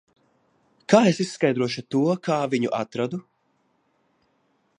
Kā es izskaidrošu to, kā viņu atradu?